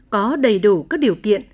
có đầy đủ các điều kiện